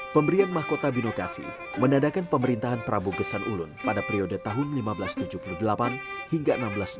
pemberian mahkota binokasi menadakan pemerintahan prabowo gesan ulun pada periode tahun seribu lima ratus tujuh puluh delapan hingga seribu enam ratus dua puluh